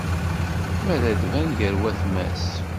Mi ara d-tban gar watma-s.